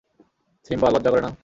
Simba, লজ্জা করে না!